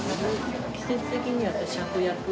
季節的にはシャクヤク？